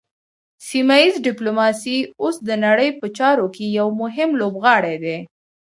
سیمه ایز ډیپلوماسي اوس د نړۍ په چارو کې یو مهم لوبغاړی دی